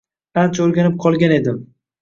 Ancha o‘rganib qolgan edim.